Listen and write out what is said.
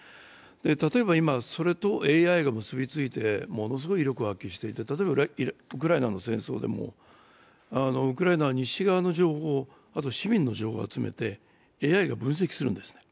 例えば今、それとＡＩが結びついて例えばウクライナの戦争でもウクライナは西側の情報、あと、市民の情報を集めてＡＩが分析するんですね。